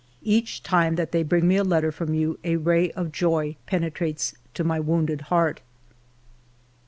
Each time that they bring me a letter from you a ray of joy penetrates to my wounded heart.